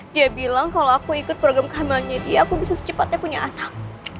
dia bilang kalau aku ikut program kamilnya dia aku bisa secepatnya punya anak